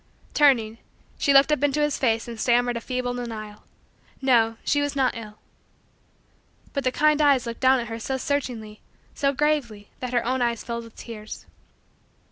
Turning, she looked up into his face and stammered a feeble denial. No, she was not ill. But the kind eyes looked down at her so searchingly, so gravely, that her own eyes filled with tears.